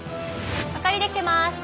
明かりできてます。